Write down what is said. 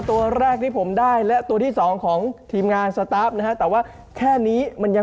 ใช่เปล่าหูยใช่คุณผู้ชมคุณผู้ชม